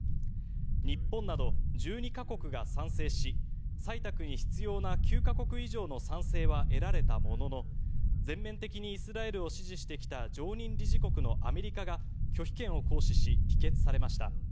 日本など１２か国が賛成し採択に必要な９か国以上の賛成は得られたものの全面的にイスラエルを支持してきた常任理事国のアメリカが拒否権を行使し否決されました。